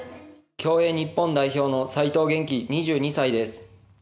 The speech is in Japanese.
競泳日本代表の齋藤元希、２２歳です。